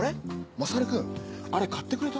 マサル君あれ買ってくれた？